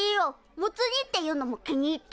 モツ煮っていうのも気に入った。